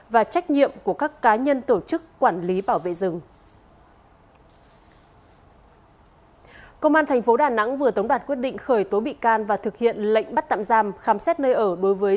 và đến tháng một mươi hai năm hai nghìn hai mươi bị công an thành phố hải phòng xử phạt về hành vi